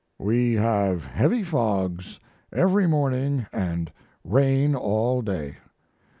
We have heavy fogs every morning & rain all day.